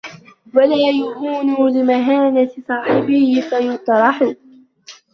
وَلَا يَهُونُ لِمَهَانَةِ صَاحِبِهِ فَيُطْرَحُ